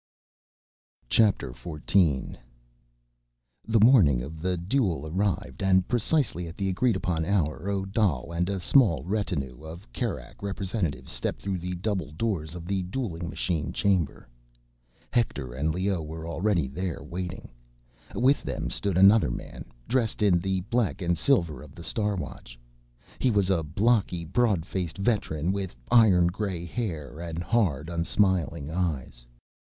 XIV The morning of the duel arrived, and precisely at the agreed upon hour, Odal and a small retinue of Kerak representatives stepped through the double doors of the dueling machine chamber. Hector and Leoh were already there, waiting. With them stood another man, dressed in the black and silver of the Star Watch. He was a blocky, broad faced veteran with iron gray hair and hard, unsmiling eyes.